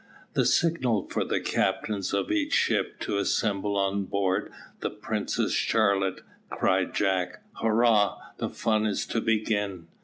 "The signal for the captains of each ship to assemble on board the Princess Charlotte," cried Jack. "Hurrah! the fun's to begin."